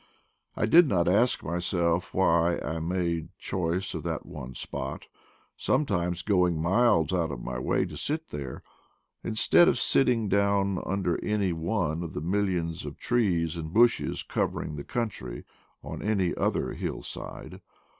I did not ask myself why I made choice of that one spot, sometimes going miles out of my way to sit there, instead of sitting down under any one of the millions of trees and bushes covering the country, on any other hillside.